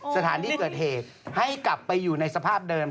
สถานที่เกิดเหตุให้กลับไปอยู่ในสภาพเดิม